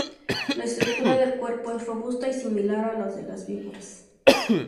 La estructura del cuerpo es robusta y similar a la de las víboras.